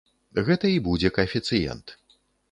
Гэта і будзе каэфіцыент.